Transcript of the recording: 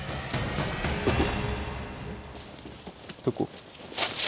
どこ？